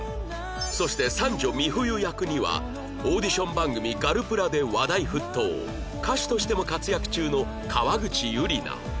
そして三女美冬役にはオーディション番組『ガルプラ』で話題沸騰歌手としても活躍中の川口ゆりな